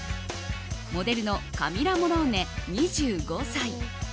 モデルのカミラ・モローネ２５歳。